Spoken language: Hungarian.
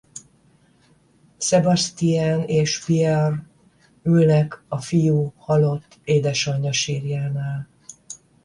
Sébastien és Pierre ülnek a fiú halott édesanyja sírjánál.